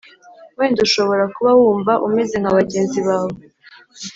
Wenda ushobora kuba wumva umeze nka bagenzi bawe.